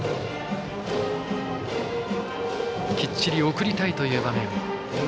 きっちり送りたい場面。